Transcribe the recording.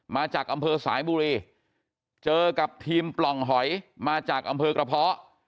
มาจากอำเภอสายบุรีเจอกับทีมปล่องหอยมาจากอำเภอกระเพาะ